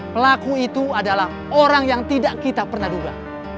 pelaku itu adalah orang yang tidak kita pernah duga